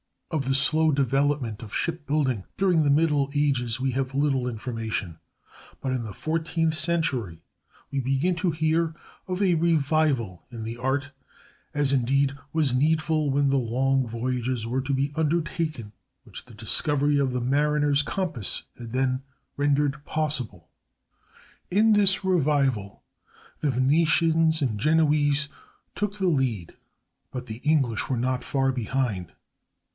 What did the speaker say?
Of the slow development of ship building during the middle ages we have little information, but in the fourteenth century we begin to hear of a revival in the art, as, indeed, was needful when the long voyages were to be undertaken which the discovery of the mariner's compass had then rendered possible. In this revival the Venetians and Genoese took the lead, but the English were not far behind.